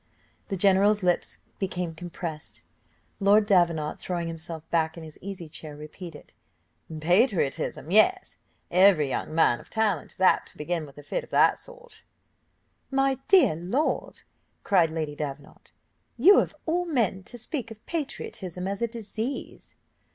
The general's lips became compressed. Lord Davenant, throwing himself back in his easy chair, repeated, "Patriotism! yes, every young man of talent is apt to begin with a fit of that sort." "My dear lord," cried Lady Davenant, "you, of all men, to speak of patriotism as a disease!"